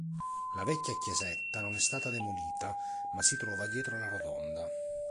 La vecchia chiesetta non è stata demolita, ma si trova dietro la rotonda.